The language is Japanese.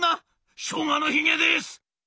「しょうがのひげです！」。